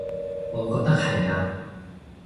我覺得係呀